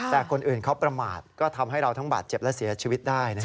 แต่คนอื่นเขาประมาทก็ทำให้เราทั้งบาดเจ็บและเสียชีวิตได้นะครับ